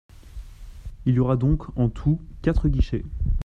Il y aura donc en tout quatre guichets.